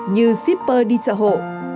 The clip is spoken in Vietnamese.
như shipper đi chợ hộ